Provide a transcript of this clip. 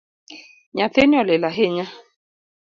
Nyathini olil ahinya